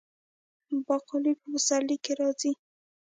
باقلي په پسرلي کې راځي.